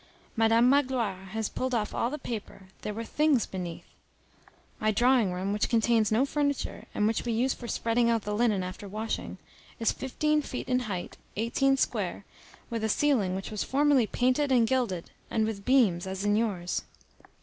Madam Magloire has pulled off all the paper. There were things beneath. My drawing room, which contains no furniture, and which we use for spreading out the linen after washing, is fifteen feet in height, eighteen square, with a ceiling which was formerly painted and gilded, and with beams, as in yours.